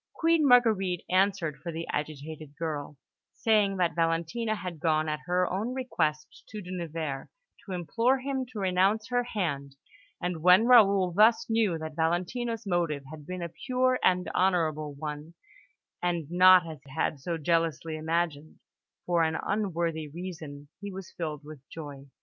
Queen Marguerite answered for the agitated girl, saying that Valentina had gone at her own request to De Nevers, to implore him to renounce her hand; and when Raoul thus knew that Valentina's motive had been a pure and honourable one, and not as he had so jealously imagined, for an unworthy reason, he was filled with joy.